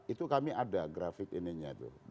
itu kami ada grafik ini nya itu